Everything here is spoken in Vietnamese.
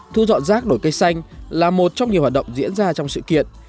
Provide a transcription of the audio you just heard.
thu dọn rác đổi cây xanh là một trong nhiều hoạt động diễn ra trong sự kiện